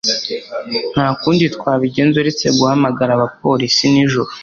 Nta kundi twabigenza uretse guhamagara abapolisi nijoro.